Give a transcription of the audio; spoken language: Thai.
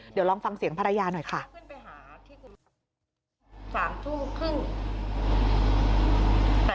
เดี๋ยวลองฟังเสียงภรรยาหน่อยค่ะ